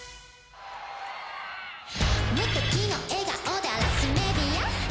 「無敵の笑顔で荒らすメディア」